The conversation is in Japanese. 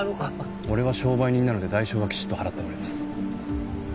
俺は商売人なので代償はきちっと払ってもらいます。